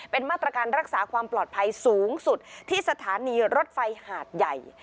เป็นมาตรการรักษาความปลอดภัยสูงสุดที่สถานีรถไฟหาดใหญ่